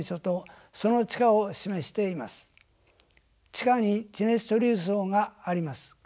地下に地熱貯留層があります。